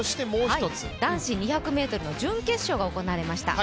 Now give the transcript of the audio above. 男子２００ｍの準決勝が行われました。